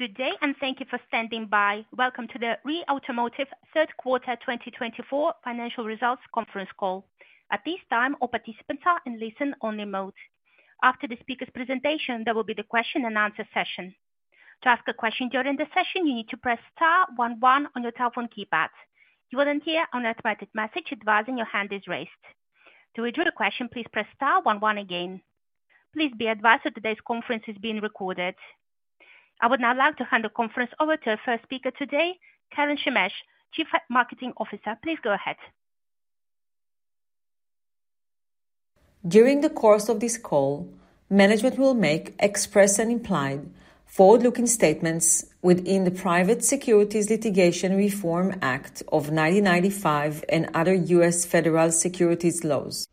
Good day, and thank you for standing by. Welcome to the REE Automotive third quarter 2024 financial results conference call. At this time, all participants are in listen-only mode. After the speaker's presentation, there will be the question-and-answer session. To ask a question during the session, you need to press star one one on your telephone keypad. You will then hear an automatic message advising your hand is raised. To withdraw the question, please press star one one again. Please be advised that today's conference is being recorded. I would now like to hand the conference over to our first speaker today, Keren Shemesh, Chief Marketing Officer. Please go ahead. During the course of this call, management will make express and implied forward-looking statements within the Private Securities Litigation Reform Act of 1995 and other U.S. federal securities laws.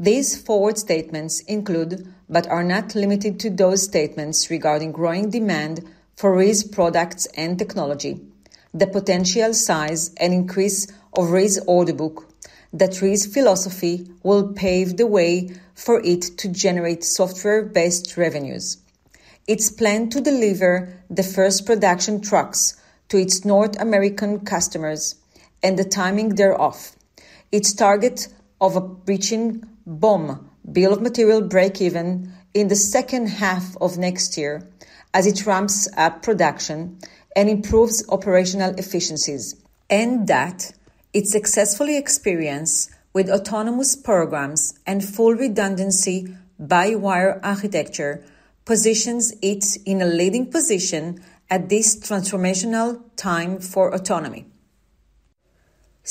These forward-looking statements include, but are not limited to, those statements regarding growing demand for REE's products and technology, the potential size and increase of REE's order book, that REE's philosophy will pave the way for it to generate software-based revenues. It is planned to deliver the first production trucks to its North American customers and the timing thereof. Its target of a breakeven BoM, bill of material breakeven, in the second half of next year as it ramps up production and improves operational efficiencies, and that its successful experience with autonomous programs and full redundancy X-by-Wire architecture positions it in a leading position at this transformational time for autonomy.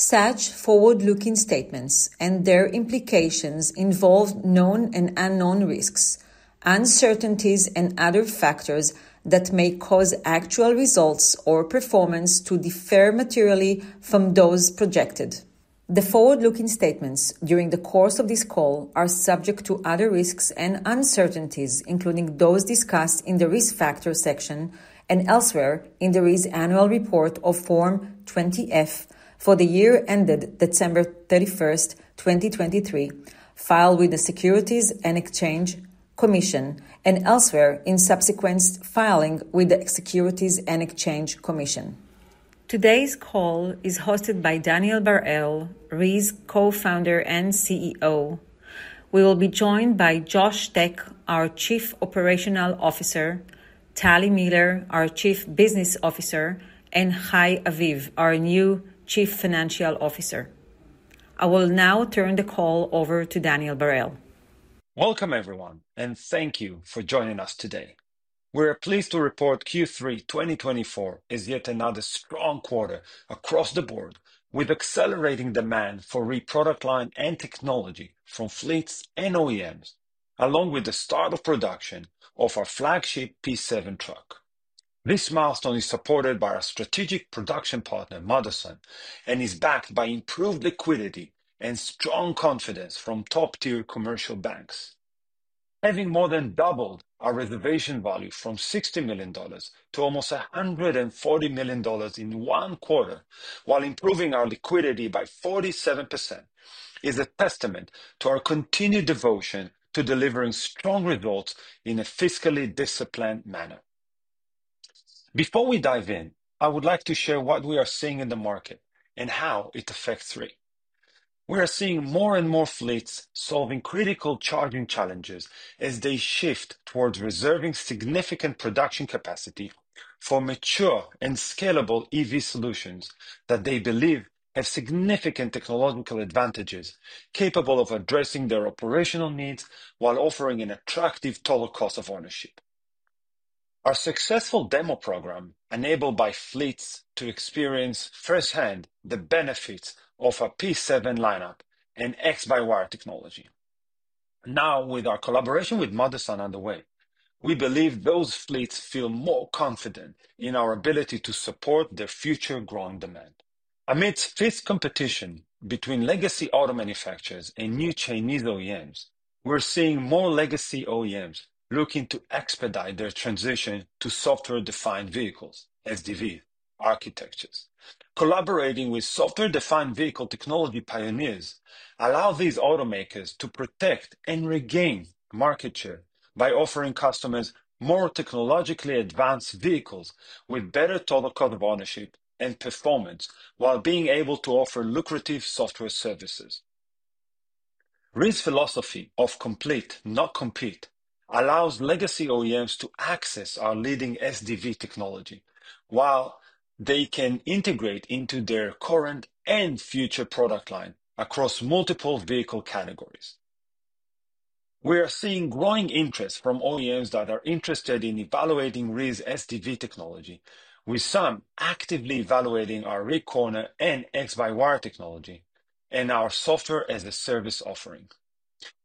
Such forward-looking statements and their implications involve known and unknown risks, uncertainties, and other factors that may cause actual results or performance to differ materially from those projected. The forward-looking statements during the course of this call are subject to other risks and uncertainties, including those discussed in the risk factor section and elsewhere in the REE's annual report of Form 20-F for the year ended December 31st, 2023, filed with the Securities and Exchange Commission and elsewhere in subsequent filings with the Securities and Exchange Commission. Today's call is hosted by Daniel Barel, REE's Co-Founder and CEO. We will be joined by Josh Tech, our Chief Operational Officer, Tali Miller, our Chief Business Officer, and Hai Aviv, our new Chief Financial Officer. I will now turn the call over to Daniel Barel. Welcome, everyone, and thank you for joining us today. We're pleased to report Q3 2024 is yet another strong quarter across the board with accelerating demand for REE product line and technology from fleets and OEMs, along with the start of production of our flagship P7 truck. This milestone is supported by our strategic production partner, Motherson, and is backed by improved liquidity and strong confidence from top-tier commercial banks. Having more than doubled our reservation value from $60 million to almost $140 million in one quarter, while improving our liquidity by 47%, is a testament to our continued devotion to delivering strong results in a fiscally disciplined manner. Before we dive in, I would like to share what we are seeing in the market and how it affects REE. We are seeing more and more fleets solving critical charging challenges as they shift towards reserving significant production capacity for mature and scalable EV solutions that they believe have significant technological advantages, capable of addressing their operational needs while offering an attractive total cost of ownership. Our successful demo program enabled by fleets to experience firsthand the benefits of our P7 lineup and X-by-Wire technology. Now, with our collaboration with Motherson underway, we believe those fleets feel more confident in our ability to support their future growing demand. Amidst fierce competition between legacy auto manufacturers and new Chinese OEMs, we're seeing more legacy OEMs looking to expedite their transition to software-defined vehicles, SDVs, architectures. Collaborating with software-defined vehicle technology pioneers allows these automakers to protect and regain market share by offering customers more technologically advanced vehicles with better total cost of ownership and performance while being able to offer lucrative software services. REE's philosophy of complete, not compete, allows legacy OEMs to access our leading SDV technology while they can integrate into their current and future product line across multiple vehicle categories. We are seeing growing interest from OEMs that are interested in evaluating REE's SDV technology, with some actively evaluating our REEcorner and X-by-Wire technology and our software as a service offering.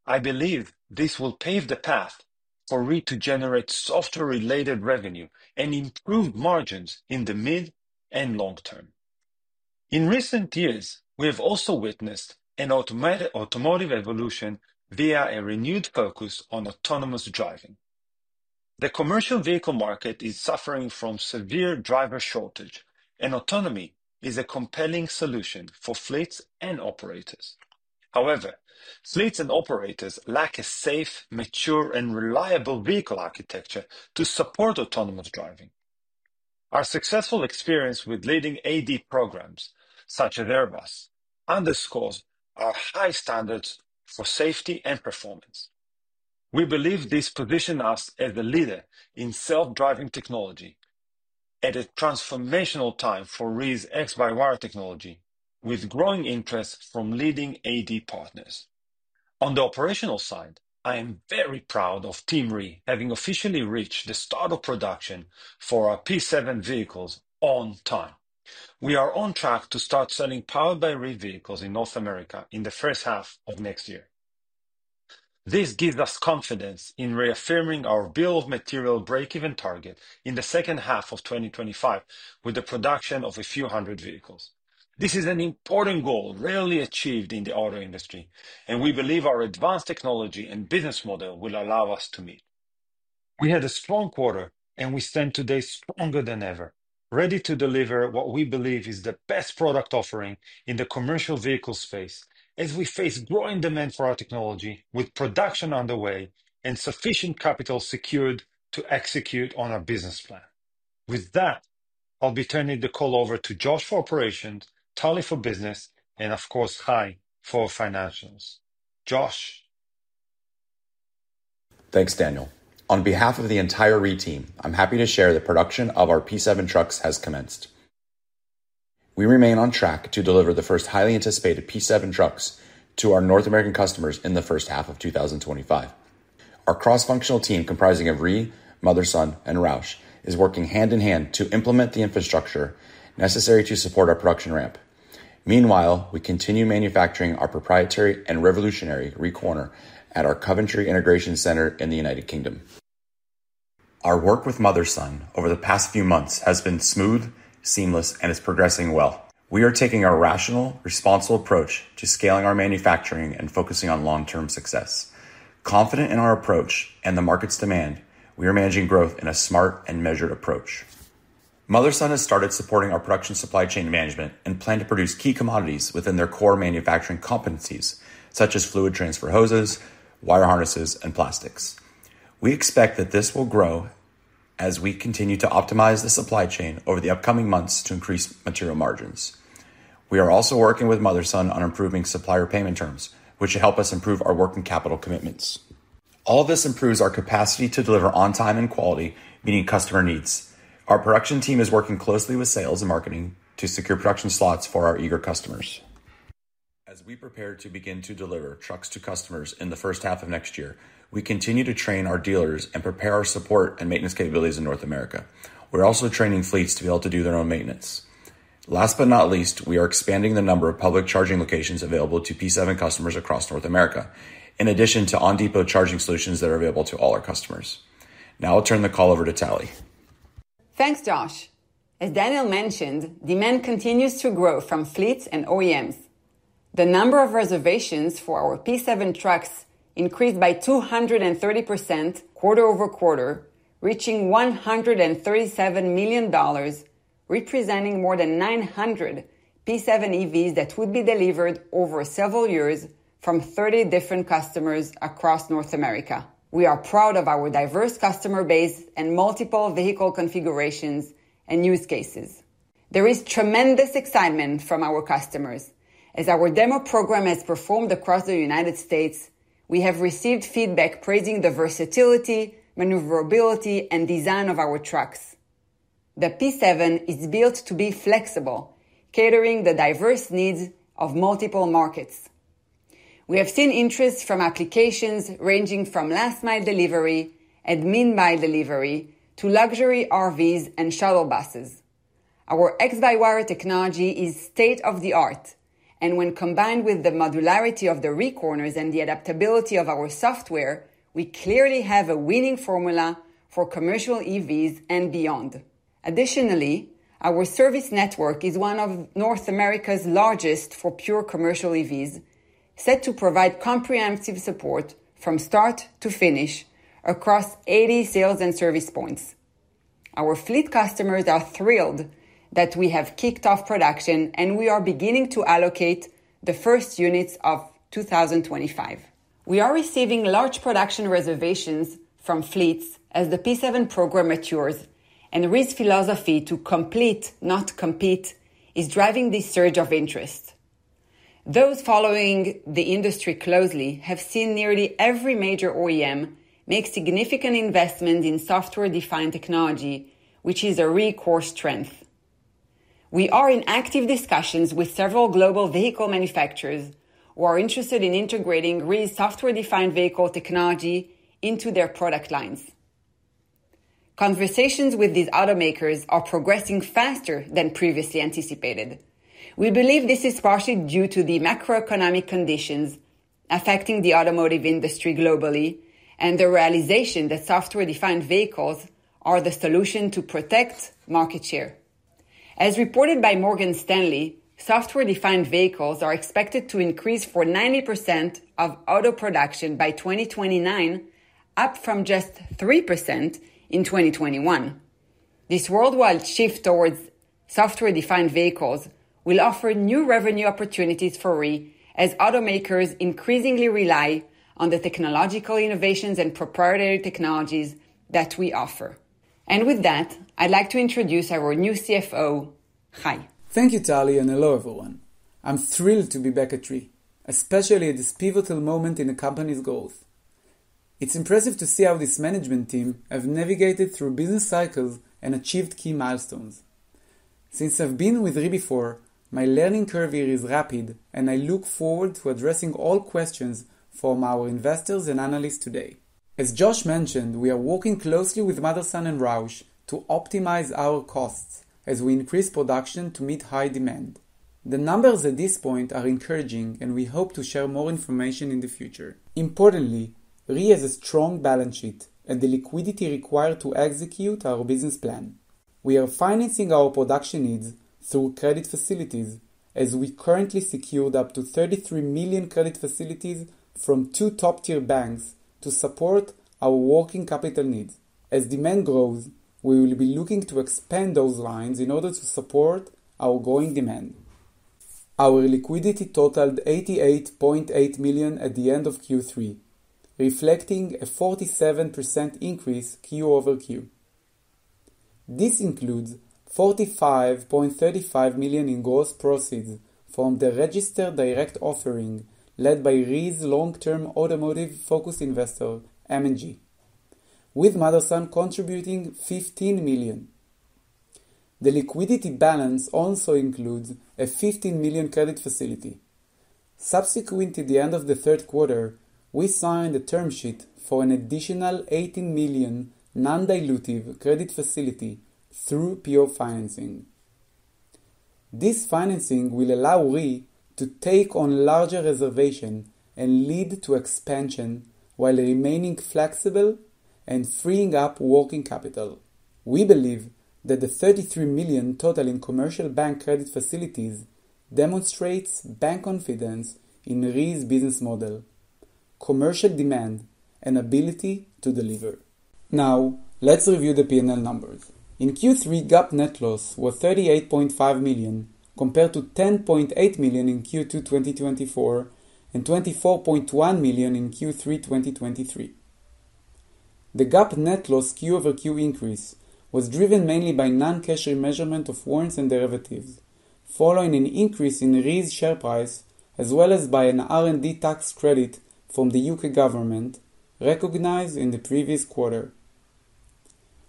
I believe this will pave the path for REE to generate software-related revenue and improved margins in the mid and long term. In recent years, we have also witnessed an automotive evolution via a renewed focus on autonomous driving. The commercial vehicle market is suffering from severe driver shortage, and autonomy is a compelling solution for fleets and operators. However, fleets and operators lack a safe, mature, and reliable vehicle architecture to support autonomous driving. Our successful experience with leading AD programs such as Airbus underscores our high standards for safety and performance. We believe this positions us as a leader in self-driving technology at a transformational time for REE's X-by-Wire technology, with growing interest from leading AD partners. On the operational side, I am very proud of Team REE having officially reached the start of production for our P7 vehicles on time. We are on track to start selling powered by REE vehicles in North America in the first half of next year. This gives us confidence in reaffirming our bill of material breakeven target in the second half of 2025 with the production of a few hundred vehicles. This is an important goal rarely achieved in the auto industry, and we believe our advanced technology and business model will allow us to meet. We had a strong quarter, and we stand today stronger than ever, ready to deliver what we believe is the best product offering in the commercial vehicle space as we face growing demand for our technology with production underway and sufficient capital secured to execute on our business plan. With that, I'll be turning the call over to Josh for operations, Tali for business, and of course, Hai for financials. Josh. Thanks, Daniel. On behalf of the entire REE team, I'm happy to share the production of our P7 trucks has commenced. We remain on track to deliver the first highly anticipated P7 trucks to our North American customers in the first half of 2025. Our cross-functional team comprising of REE, Motherson, and Roush is working hand in hand to implement the infrastructure necessary to support our production ramp. Meanwhile, we continue manufacturing our proprietary and revolutionary REEcorner at our Coventry Integration Center in the United Kingdom. Our work with Motherson over the past few months has been smooth, seamless, and is progressing well. We are taking a rational, responsible approach to scaling our manufacturing and focusing on long-term success. Confident in our approach and the market's demand, we are managing growth in a smart and measured approach. Motherson has started supporting our production supply chain management and plan to produce key commodities within their core manufacturing competencies, such as fluid transfer hoses, wire harnesses, and plastics. We expect that this will grow as we continue to optimize the supply chain over the upcoming months to increase material margins. We are also working with Motherson on improving supplier payment terms, which will help us improve our working capital commitments. All of this improves our capacity to deliver on time and quality, meeting customer needs. Our production team is working closely with sales and marketing to secure production slots for our eager customers. As we prepare to begin to deliver trucks to customers in the first half of next year, we continue to train our dealers and prepare our support and maintenance capabilities in North America. We're also training fleets to be able to do their own maintenance. Last but not least, we are expanding the number of public charging locations available to P7 customers across North America, in addition to on-depot charging solutions that are available to all our customers. Now I'll turn the call over to Tali. Thanks, Josh. As Daniel mentioned, demand continues to grow from fleets and OEMs. The number of reservations for our P7 trucks increased by 230% quarter over quarter, reaching $137 million, representing more than 900 P7 EVs that would be delivered over several years from 30 different customers across North America. We are proud of our diverse customer base and multiple vehicle configurations and use cases. There is tremendous excitement from our customers. As our demo program has performed across the United States, we have received feedback praising the versatility, maneuverability, and design of our trucks. The P7 is built to be flexible, catering to the diverse needs of multiple markets. We have seen interest from applications ranging from last-mile delivery and mid-mile delivery to luxury RVs and shuttle buses. Our X-by-Wire technology is state-of-the-art, and when combined with the modularity of the REEcorners and the adaptability of our software, we clearly have a winning formula for commercial EVs and beyond. Additionally, our service network is one of North America's largest for pure commercial EVs, set to provide comprehensive support from start to finish across 80 sales and service points. Our fleet customers are thrilled that we have kicked off production, and we are beginning to allocate the first units of 2025. We are receiving large production reservations from fleets as the P7 program matures, and REE's philosophy to complete, not compete, is driving this surge of interest. Those following the industry closely have seen nearly every major OEM make significant investments in software-defined technology, which is a REE core strength. We are in active discussions with several global vehicle manufacturers who are interested in integrating REE's software-defined vehicle technology into their product lines. Conversations with these automakers are progressing faster than previously anticipated. We believe this is partially due to the macroeconomic conditions affecting the automotive industry globally and the realization that software-defined vehicles are the solution to protect market share. As reported by Morgan Stanley, software-defined vehicles are expected to increase for 90% of auto production by 2029, up from just 3% in 2021. This worldwide shift towards software-defined vehicles will offer new revenue opportunities for REE as automakers increasingly rely on the technological innovations and proprietary technologies that we offer, and with that, I'd like to introduce our new CFO, Hai. Thank you, Tali, and hello, everyone. I'm thrilled to be back at REE, especially at this pivotal moment in the company's goals. It's impressive to see how this management team has navigated through business cycles and achieved key milestones. Since I've been with REE before, my learning curve here is rapid, and I look forward to addressing all questions from our investors and analysts today. As Josh mentioned, we are working closely with Motherson and Roush to optimize our costs as we increase production to meet high demand. The numbers at this point are encouraging, and we hope to share more information in the future. Importantly, REE has a strong balance sheet and the liquidity required to execute our business plan. We are financing our production needs through credit facilities as we currently secured up to $33 million credit facilities from two top-tier banks to support our working capital needs. As demand grows, we will be looking to expand those lines in order to support our growing demand. Our liquidity totaled $88.8 million at the end of Q3, reflecting a 47% increase Q-over-Q. This includes $45.35 million in gross proceeds from the registered direct offering led by REE's long-term automotive-focused investor, M&G, with Motherson contributing $15 million. The liquidity balance also includes a $15 million credit facility. Subsequent to the end of the third quarter, we signed a term sheet for an additional $18 million non-dilutive credit facility through PO financing. This financing will allow REE to take on larger reservations and lead to expansion while remaining flexible and freeing up working capital. We believe that the $33 million total in commercial bank credit facilities demonstrates bank confidence in REE's business model, commercial demand, and ability to deliver. Now, let's review the P&L numbers. In Q3, GAAP net loss was $38.5 million compared to $10.8 million in Q2 2024 and $24.1 million in Q3 2023. The GAAP net loss Q-over-Q increase was driven mainly by non-cash remeasurement of warrants and derivatives, following an increase in REE's share price, as well as by an R&D tax credit from the U.K. government recognized in the previous quarter.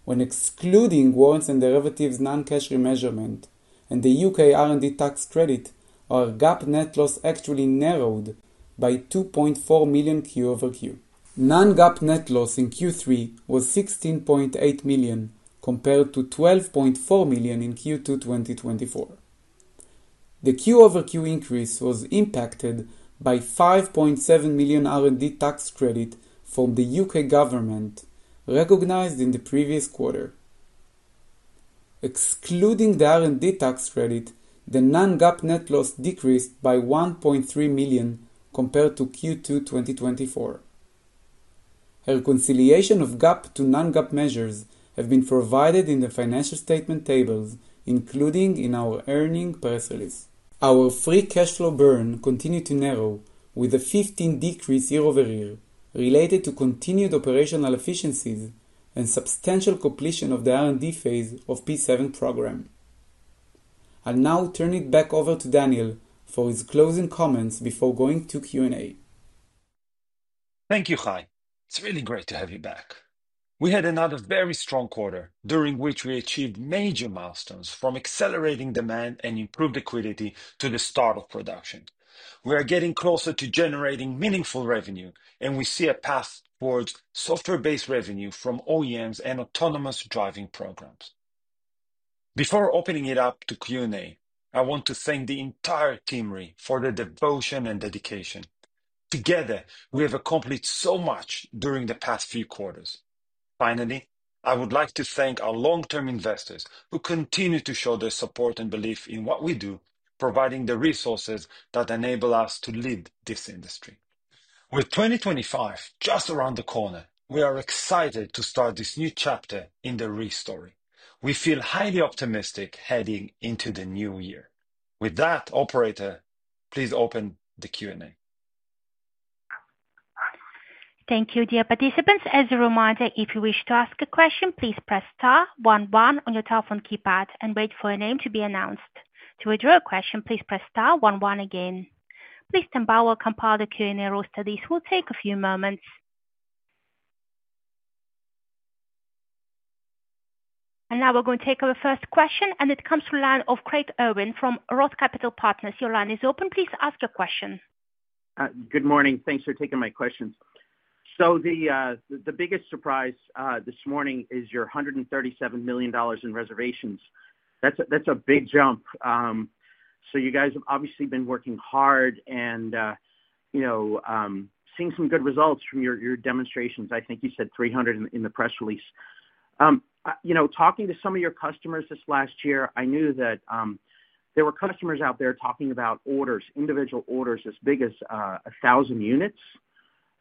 When excluding warrants and derivatives' non-cash remeasurement and the U.K. R&D tax credit, our GAAP net loss actually narrowed by $2.4 million Q-over-Q. Non-GAAP net loss in Q3 was $16.8 million compared to $12.4 million in Q2 2024. The Q-over-Q increase was impacted by $5.7 million R&D tax credit from the U.K. government recognized in the previous quarter. Excluding the R&D tax credit, the non-GAAP net loss decreased by $1.3 million compared to Q2 2024. Reconciliation of GAAP to non-GAAP measures has been provided in the financial statement tables, including in our earnings press release. Our free cash flow burn continued to narrow with a 15% decrease year over year related to continued operational efficiencies and substantial completion of the R&D phase of the P7 program. I'll now turn it back over to Daniel for his closing comments before going to Q&A. Thank you, Hai. It's really great to have you back. We had another very strong quarter during which we achieved major milestones from accelerating demand and improved liquidity to the start of production. We are getting closer to generating meaningful revenue, and we see a path towards software-based revenue from OEMs and autonomous driving programs. Before opening it up to Q&A, I want to thank the entire team REE for their devotion and dedication. Together, we have accomplished so much during the past few quarters. Finally, I would like to thank our long-term investors who continue to show their support and belief in what we do, providing the resources that enable us to lead this industry. With 2025 just around the corner, we are excited to start this new chapter in the REE story. We feel highly optimistic heading into the new year. With that, operator, please open the Q&A. Thank you, dear participants. As a reminder, if you wish to ask a question, please press star one one on your telephone keypad and wait for a name to be announced. To withdraw a question, please press star one one again. Please stand by while I compile the Q&A queue. This will take a few moments. And now we're going to take our first question, and it comes from the line of Craig Irwin from Roth Capital Partners. Your line is open. Please ask your question. Good morning. Thanks for taking my questions. So the biggest surprise this morning is your $137 million in reservations. That's a big jump. So you guys have obviously been working hard and seeing some good results from your demonstrations. I think you said 300 in the press release. Talking to some of your customers this last year, I knew that there were customers out there talking about orders, individual orders as big as 1,000 units.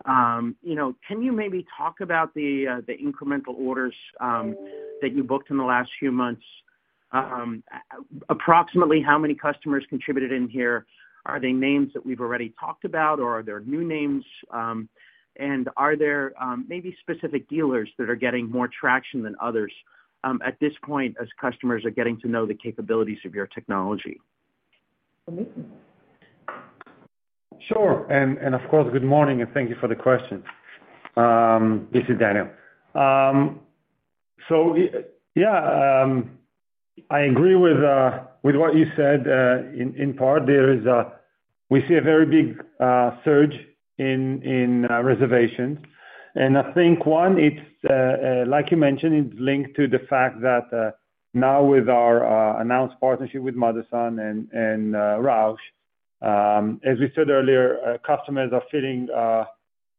Can you maybe talk about the incremental orders that you booked in the last few months? Approximately how many customers contributed in here? Are they names that we've already talked about, or are there new names? And are there maybe specific dealers that are getting more traction than others at this point as customers are getting to know the capabilities of your technology? Sure. And of course, good morning, and thank you for the question. This is Daniel. So yeah, I agree with what you said. In part, we see a very big surge in reservations. And I think, one, like you mentioned, it's linked to the fact that now with our announced partnership with Motherson and Roush, as we said earlier, customers are feeling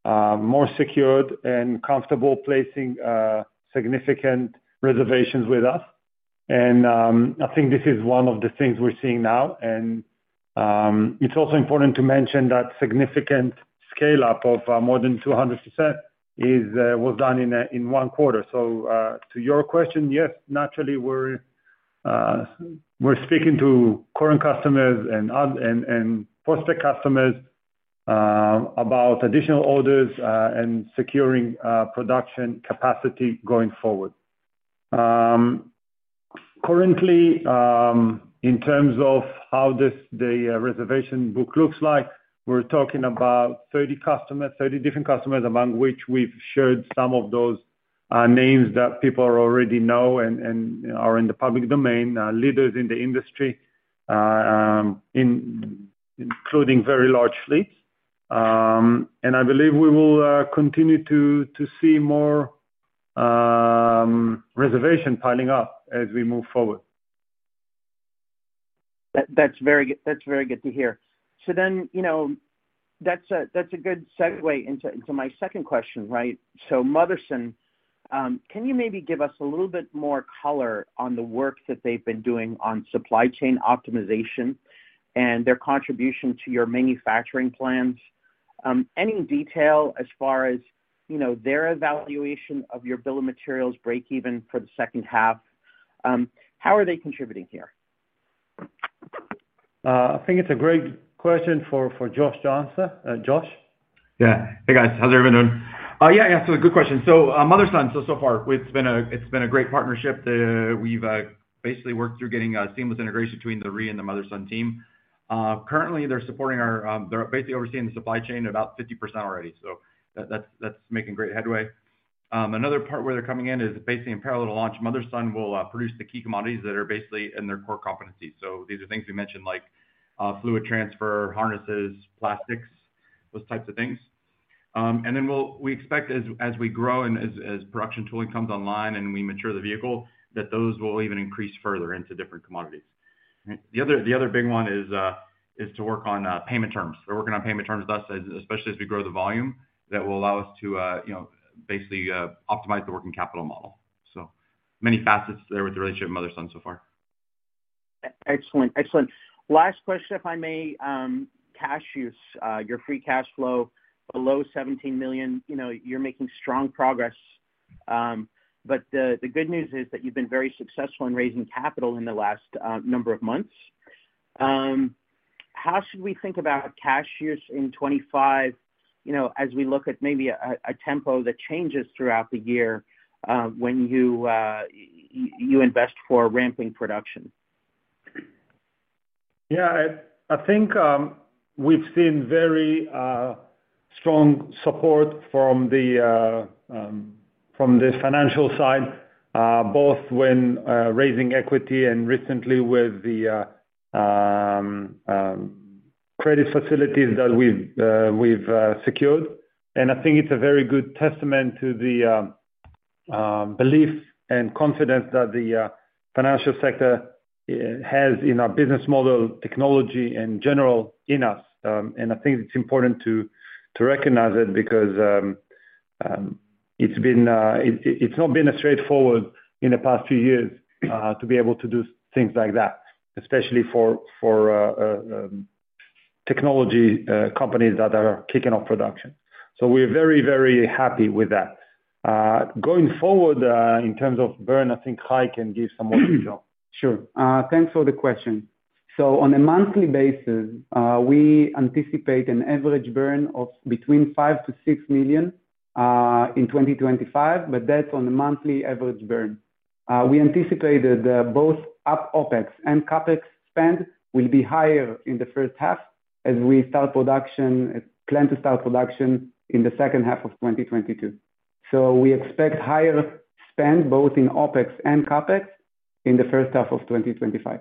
more secured and comfortable placing significant reservations with us. And I think this is one of the things we're seeing now. And it's also important to mention that significant scale-up of more than 200% was done in one quarter. So to your question, yes, naturally, we're speaking to current customers and prospective customers about additional orders and securing production capacity going forward. Currently, in terms of how the reservation book looks like, we're talking about 30 different customers, among which we've shared some of those names that people already know and are in the public domain, leaders in the industry, including very large fleets, and I believe we will continue to see more reservations piling up as we move forward. That's very good to hear. So then that's a good segue into my second question, right? So Motherson, can you maybe give us a little bit more color on the work that they've been doing on supply chain optimization and their contribution to your manufacturing plans? Any detail as far as their evaluation of your bill of materials breakeven for the second half? How are they contributing here? I think it's a great question for Josh to answer. Josh? Yeah. Hey, guys. How's everyone doing? Yeah, yeah. Good question. Motherson, so far, it's been a great partnership. We've basically worked through getting a seamless integration between the REE and the Motherson team. Currently, they're supporting us. They're basically overseeing the supply chain about 50% already. That's making great headway. Another part where they're coming in is basically in parallel to launch. Motherson will produce the key commodities that are basically in their core competencies. These are things we mentioned like fluid transfer, harnesses, plastics, those types of things. And then we expect as we grow and as production tooling comes online and we mature the vehicle, that those will even increase further into different commodities. The other big one is to work on payment terms. They're working on payment terms, thus, especially as we grow the volume, that will allow us to basically optimize the working capital model. So many facets there with the relationship with Motherson so far. Excellent. Excellent. Last question, if I may. Cash use, your free cash flow below $17 million, you're making strong progress. But the good news is that you've been very successful in raising capital in the last number of months. How should we think about cash use in 2025 as we look at maybe a tempo that changes throughout the year when you invest for ramping production? Yeah. I think we've seen very strong support from the financial side, both when raising equity and recently with the credit facilities that we've secured. And I think it's a very good testament to the belief and confidence that the financial sector has in our business model, technology, and generally in us. And I think it's important to recognize it because it's not been straightforward in the past few years to be able to do things like that, especially for technology companies that are kicking off production. So we're very, very happy with that. Going forward in terms of burn, I think Hai can give some more detail. Sure. Thanks for the question. On a monthly basis, we anticipate an average burn of between $5-$6 million in 2025, but that's on a monthly average burn. We anticipated both OpEx and CapEx spend will be higher in the first half as we start production plan to start production in the second half of 2022. We expect higher spend both in OpEx and CapEx in the first half of 2025.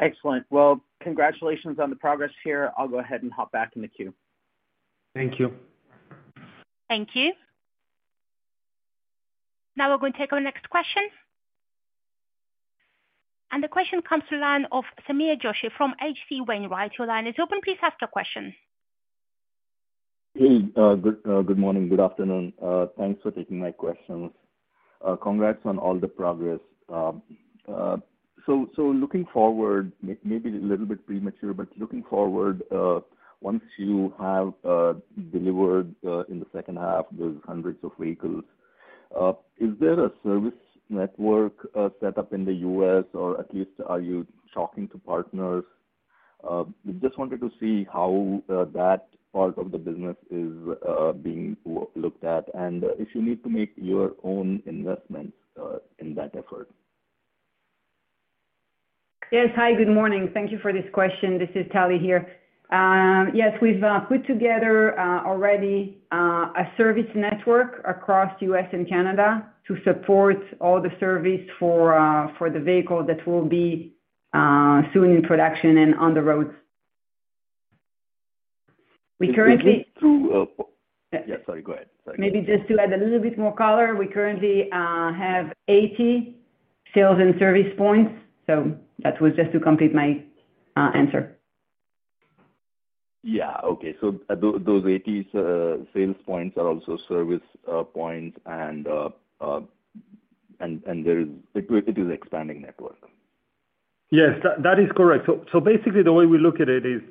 Excellent. Well, congratulations on the progress here. I'll go ahead and hop back in the queue. Thank you. Thank you. Now we're going to take our next question. And the question comes to the line of Sameer Joshi from H.C. Wainwright. Your line is open. Please ask your question. Good morning. Good afternoon. Thanks for taking my questions. Congrats on all the progress. So looking forward, maybe a little bit premature, but looking forward, once you have delivered in the second half those hundreds of vehicles, is there a service network set up in the U.S., or at least are you talking to partners? We just wanted to see how that part of the business is being looked at and if you need to make your own investments in that effort. Yes. Hi, good morning. Thank you for this question. This is Tali here. Yes, we've put together already a service network across the U.S. and Canada to support all the service for the vehicles that will be soon in production and on the roads. We currently. Maybe just to. Yes, sorry. Go ahead. Sorry. Maybe just to add a little bit more color, we currently have 80 sales and service points. So that was just to complete my answer. Yeah, okay, so those 80 sales points are also service points, and it is an expanding network. Yes, that is correct. So basically, the way we look at it is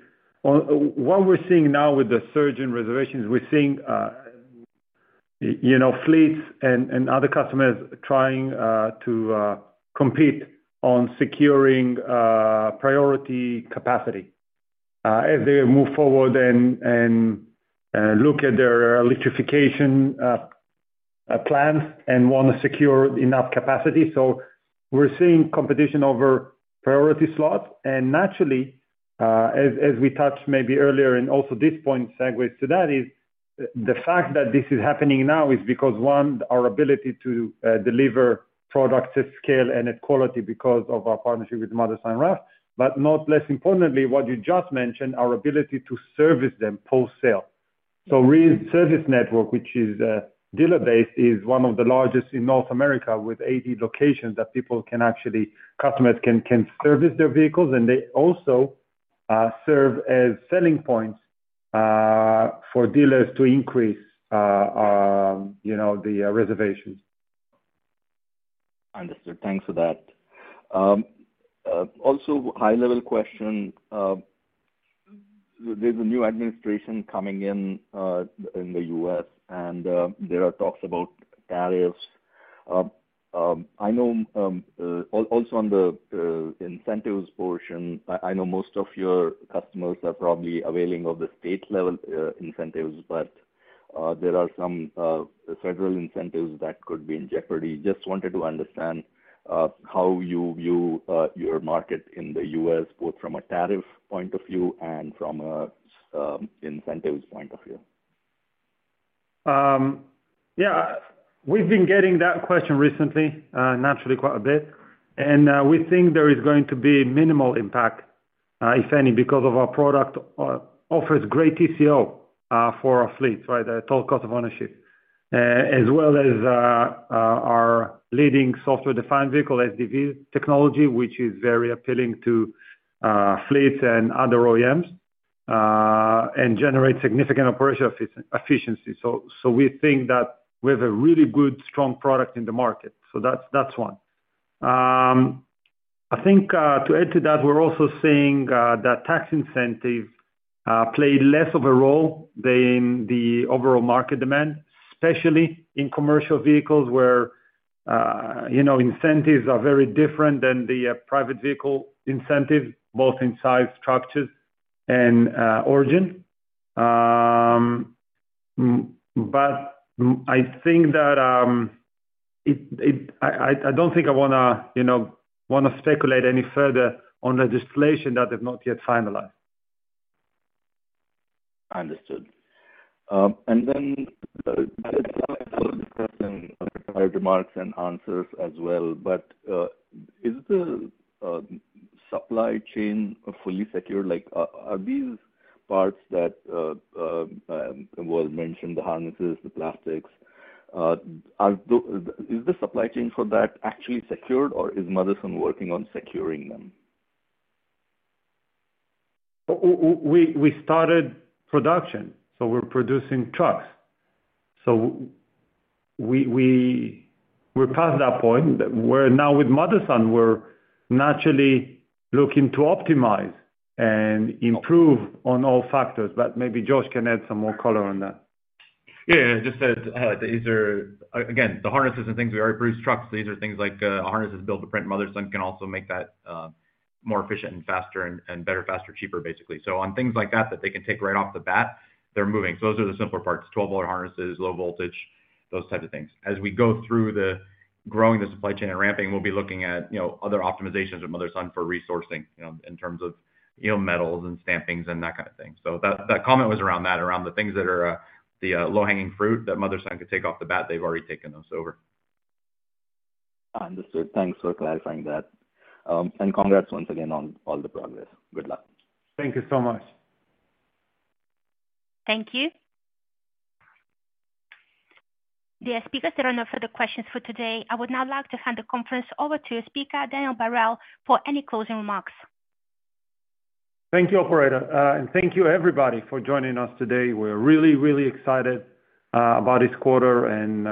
what we're seeing now with the surge in reservations, we're seeing fleets and other customers trying to compete on securing priority capacity as they move forward and look at their electrification plans and want to secure enough capacity. So we're seeing competition over priority slots. And naturally, as we touched maybe earlier and also this point segues to that, the fact that this is happening now is because, one, our ability to deliver products at scale and at quality because of our partnership with Motherson and Roush. But not less importantly, what you just mentioned, our ability to service them post-sale. REE's service network, which is dealer-based, is one of the largest in North America with 80 locations that customers can actually service their vehicles, and they also serve as selling points for dealers to increase the reservations. Understood. Thanks for that. Also, high-level question. There's a new administration coming in the U.S., and there are talks about tariffs. I know also on the incentives portion, I know most of your customers are probably availing of the state-level incentives, but there are some federal incentives that could be in jeopardy. Just wanted to understand how you view your market in the U.S., both from a tariff point of view and from an incentives point of view. Yeah. We've been getting that question recently, naturally, quite a bit. And we think there is going to be minimal impact, if any, because our product offers great TCO for our fleets, right, the total cost of ownership, as well as our leading software-defined vehicle, SDV technology, which is very appealing to fleets and other OEMs and generates significant operational efficiency. So we think that we have a really good, strong product in the market. So that's one. I think to add to that, we're also seeing that tax incentives play less of a role than the overall market demand, especially in commercial vehicles where incentives are very different than the private vehicle incentives, both in size, structure, and origin. But I think that I don't think I want to speculate any further on legislation that has not yet finalized. Understood. And then I'd like to add a couple of required remarks and answers as well. But is the supply chain fully secured? Are these parts that were mentioned, the harnesses, the plastics, is the supply chain for that actually secured, or is Motherson working on securing them? We started production, so we're producing trucks. So we're past that point. Now with Motherson, we're naturally looking to optimize and improve on all factors. But maybe Josh can add some more color on that. Yeah. Just to add, again, the harnesses and things, we already produce trucks. These are things like harnesses built to print. Motherson can also make that more efficient and faster and better, faster, cheaper, basically. So on things like that that they can take right off the bat, they're moving. So those are the simpler parts: 12-volt harnesses, low voltage, those types of things. As we go through growing the supply chain and ramping, we'll be looking at other optimizations of Motherson for resourcing in terms of metals and stampings and that kind of thing. So that comment was around that, around the things that are the low-hanging fruit that Motherson could take off the bat. They've already taken those over. Understood. Thanks for clarifying that, and congrats once again on all the progress. Good luck. Thank you so much. Thank you. There are no further questions for today. I would now like to hand the conference over to your speaker, Daniel Barel, for any closing remarks. Thank you, operator, and thank you, everybody, for joining us today. We're really, really excited about this quarter, and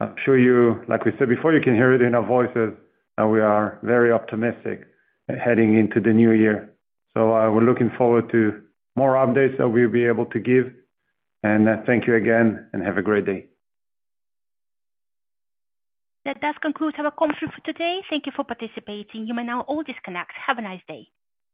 I'm sure you, like we said before, you can hear it in our voices that we are very optimistic heading into the new year, so we're looking forward to more updates that we'll be able to give, and thank you again, and have a great day. That does conclude our conference for today. Thank you for participating. You may now all disconnect. Have a nice day.